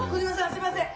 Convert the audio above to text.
すいません！